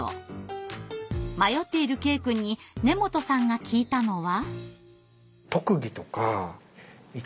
迷っているケイくんに根本さんが聞いたのは。